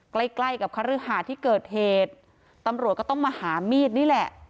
ใกล้ใกล้กับคฤหาที่เกิดเหตุตำรวจก็ต้องมาหามีดนี่แหละ